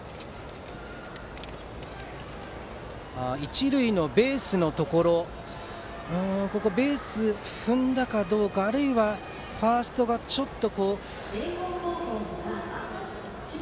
一塁のベースのところベースを踏んだかどうかあるいはファーストがちょっと。